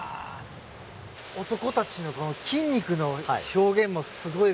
男たちのこの筋肉の表現もすごいですよね。